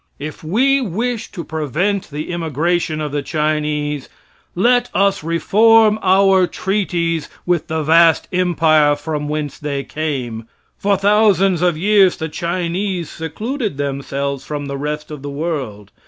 If we wish to prevent the immigration of the Chinese, let us reform our treaties with the vast empire from whence they came. For thousands of years the Chinese secluded themselves from the rest of the world.